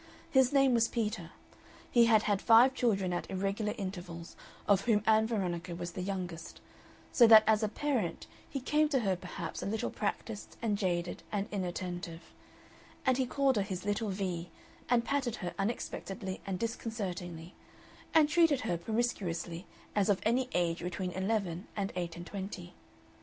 His name was Peter. He had had five children at irregular intervals, of whom Ann Veronica was the youngest, so that as a parent he came to her perhaps a little practised and jaded and inattentive; and he called her his "little Vee," and patted her unexpectedly and disconcertingly, and treated her promiscuously as of any age between eleven and eight and twenty.